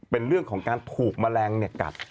เป็นเรื่องของการถูกแมลงกัด